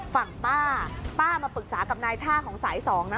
ฝั่งป้าป้ามาปรึกษากับนายท่าของสายสองนะ